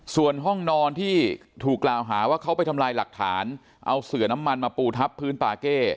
ส่วนห้องนอนที่ถูกกล่าวหาว่าเขาไปทำลายหลักฐานเอาเสือน้ำมันมาปูทับพื้นปาเก้